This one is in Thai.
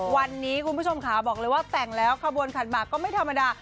วันนี้คุณผู้ชมขาบอกเลยว่าแต่งแล้วขบวนขันหมากก็ไม่ธรรมดา